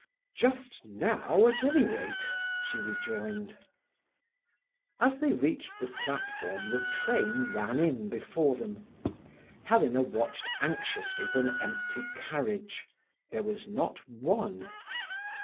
"Just now, at any rate," she rejoined. As they reached the platform the train ran in before them. Helena watched anxiously for an empty carriage. There was not one.